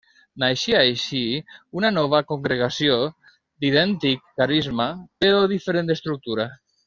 Naixia així una nova congregació, d'idèntic carisma però diferent estructura.